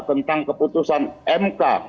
tentang keputusan mk